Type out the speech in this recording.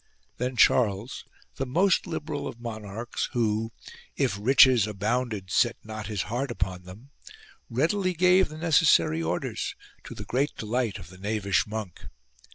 Then Charles, the most liberal of monarchs, who " if riches abounded set not his heart upon them " readily gave the necessary orders, to the great delight of the knavish monk.